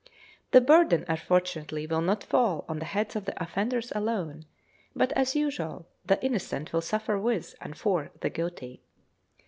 The burden, unfortunately, will not fall on the heads of the offenders alone, but, as usual, the innocent will suffer with and for the guilty.